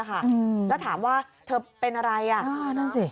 แล้วถามว่าเธอเป็นอะไร